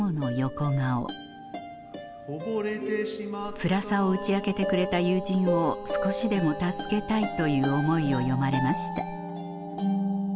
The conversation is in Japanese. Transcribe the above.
つらさを打ち明けてくれた友人を少しでも助けたいという思いを詠まれました